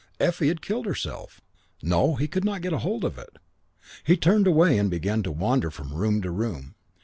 Effie had killed herself. No, he could not get hold of it. He turned away and began to wander from room to room.